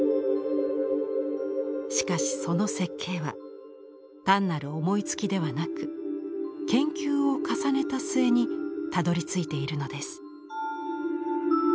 しかしその設計は単なる思いつきではなく研究を重ねた末にたどりついているのです。